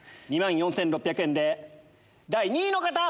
２万４６００円で第２位の方！